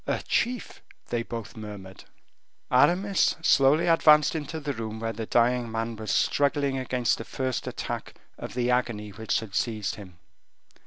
"A chief!" they both murmured. Aramis slowly advanced into the room where the dying man was struggling against the first attack of the agony which had seized him.